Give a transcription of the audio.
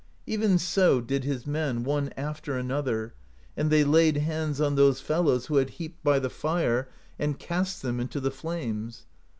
' Even so did his men, one after another; and they laid hands on those fellows who had heaped up the fire, and cast them into the flames.